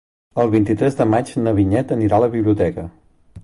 El vint-i-tres de maig na Vinyet anirà a la biblioteca.